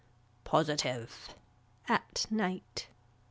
Positive. At night.